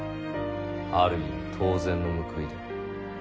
ある意味当然の報いだ。